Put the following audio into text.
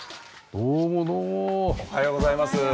おはようございます。